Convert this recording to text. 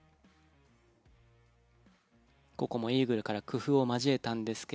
ここもイーグルから工夫を交えたんですが